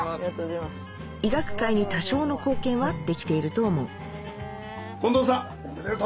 医学界に多少の貢献はできていると思う近藤さんおめでとう！